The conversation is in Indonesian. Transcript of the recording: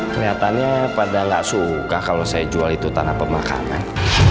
kelihatannya pada nggak suka kalau saya jual itu tanah pemakanan